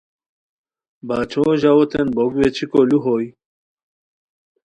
باچھو ژاؤتین بوک ویچھیکو لو ہوئے